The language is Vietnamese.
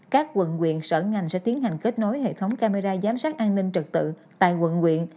các quận quyện sở ngành sẽ tiến hành kết nối hệ thống camera giám sát an ninh trật tự tại quận quyện